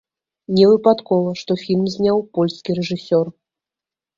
Не выпадкова, што фільм зняў польскі рэжысёр.